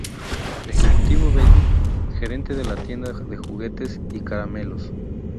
Executive Baby: Gerente de la tienda de juguetes y caramelos.